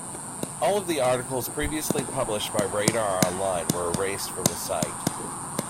All of the articles previously published by Radar Online were erased from the site.